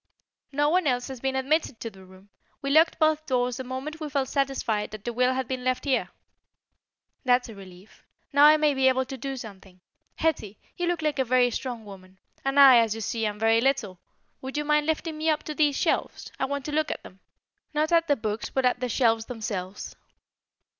"No one else has been admitted to the room. We locked both doors the moment we felt satisfied that the will had been left here." "That's a relief. Now I may be able to do something. Hetty, you look like a very strong woman, and I, as you see, am very little. Would you mind lifting me up to these shelves? I want to look at them. Not at the books, but at the shelves themselves."